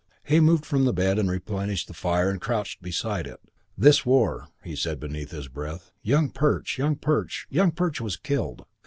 He moved from the bed and replenished the fire and crouched beside it. This war! He said beneath his breath, "Young Perch! Young Perch!" Young Perch was killed.